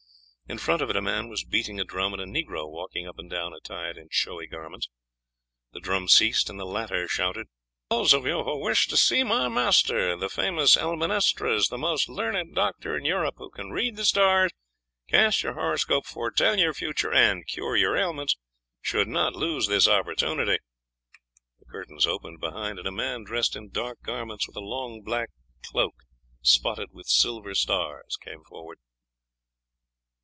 In front of it a man was beating a drum, and a negro walking up and down attired in showy garments. The drum ceased and the latter shouted: "Those of you who wish to see my master, the famous Elminestres, the most learned doctor in Europe, who can read the stars, cast your horoscope, foretell your future, and cure your ailments, should not lose this opportunity." The curtains opened behind, and a man dressed in dark garments with a long black cloak spotted with silver stars came forward.